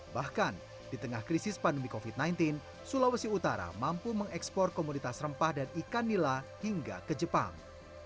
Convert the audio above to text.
bahkan di tengah krisis pandemi covid sembilan belas sulawesi utara mampu mengekspor komoditas rempah dan ikan nila hingga ke jepang